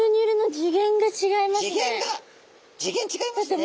次元違いますね。